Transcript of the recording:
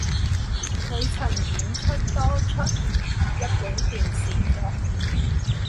她曾演出多出日本电视剧。